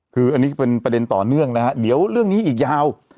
คืออันนี้ก็เป็นประเด็นต่อเนื่องนะฮะเดี๋ยวเรื่องนี้อีกยาว